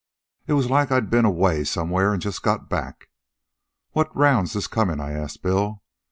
It was like I'd been away somewhere an' just got back. 'What round's this comin'?' I ask Bill.